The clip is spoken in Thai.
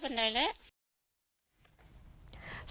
ไม่อยากเชื่อไม่ได้แหล่ะ